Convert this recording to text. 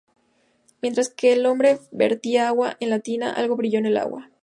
Mientras que el hombre vertía agua en la tina, algo brilló en el agua.